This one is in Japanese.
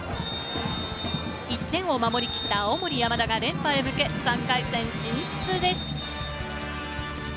１点を守りきった青森山田が連覇へ向け、３回戦進出です。